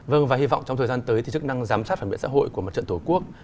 vâng và hy vọng trong thời gian tới thì chức năng giám sát phản biện xã hội của mặt trận tổ quốc